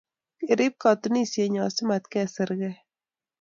Ngerip katunisienyo si matkesirgei